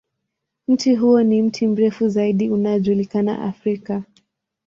Mti huo ni mti mrefu zaidi unaojulikana Afrika.